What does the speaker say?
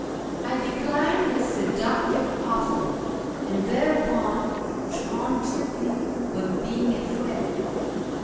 I declined his seductive offer, and thereupon he taunted me with being afraid.